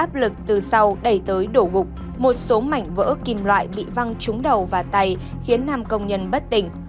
áp lực từ sau đẩy tới đổ gục một số mảnh vỡ kim loại bị văng trúng đầu và tay khiến nam công nhân bất tỉnh